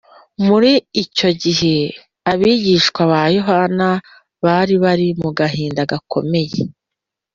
muri icyo gihe, abigishwa ba yohana bari bari mu gahinda gakomeye